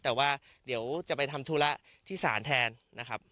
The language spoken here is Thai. แต่ว่าเดี๋ยวจะไปทำธุระที่ศาลแทนนะครับ